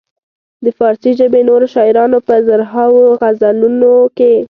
د فارسي ژبې نورو شاعرانو په زرهاوو غزلونو کې.